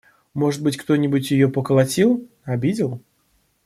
Может быть, кто-нибудь ее поколотил… обидел?